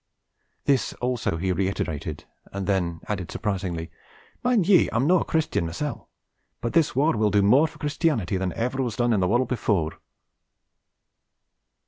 This also he reiterated, and then added surprisingly: 'Mine ye, I'm no' a Christian mysel'; but this warr will do more for Christianity than ever was done in the wurruld before.'